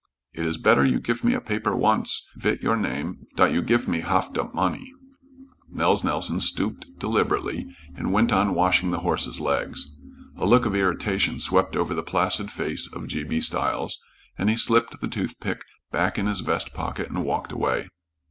"It is better you gif me a paper once, vit your name, dot you gif me half dot money." Nels Nelson stooped deliberately and went on washing the horse's legs. A look of irritation swept over the placid face of G. B. Stiles, and he slipped the toothpick back in his vest pocket and walked away.